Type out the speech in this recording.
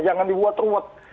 jangan dibuat ruwet